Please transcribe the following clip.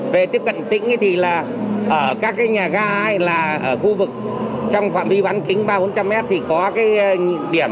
về tiếp cận tỉnh thì là ở các cái nhà ga hay là ở khu vực trong phạm vi bán kính ba bốn trăm linh m thì có cái điểm